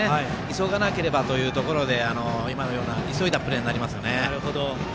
急がなければというところで今のような急いだプレーになりますよね。